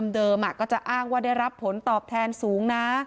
เดิมก็จะอ้างว่าได้รับผลตอบแทนสูงนะ